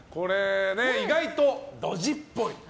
意外とドジっぽい。